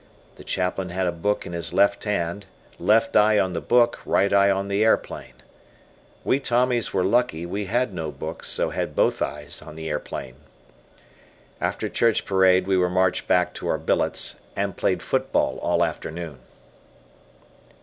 The Chaplain had a book in his left hand left eye on the book right eye on the aeroplane. We Tommies were lucky, we had no books, so had both eyes on the aeroplane. After church parade we were marched back to our billets, and played football all afternoon.